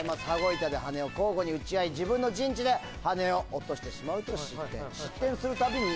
羽子板で羽根を交互に打ち合い、自分の陣地で羽根を落としてしまうと失点。